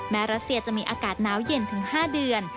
รัสเซียจะมีอากาศหนาวเย็นถึง๕เดือน